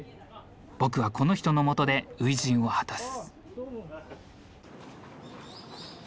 僕はこの人のもとで初陣を果たす。